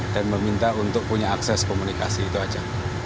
dan meminta untuk punya akses komunikasi itu saja